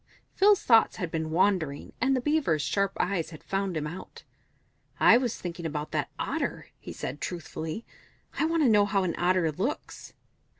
Phil's thoughts had been wandering, and the Beaver's sharp eyes had found him out. "I was thinking about that Otter," he said, truthfully. "I want to know how an Otter looks."